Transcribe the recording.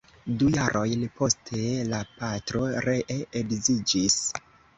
Du jarojn poste la patro ree edziĝis.